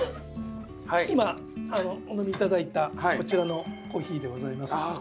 今お飲み頂いたこちらのコーヒーでございます。